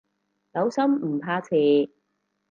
有心唔怕遲